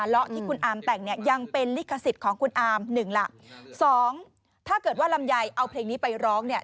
เอาเพลงนี้ไปร้องเนี่ย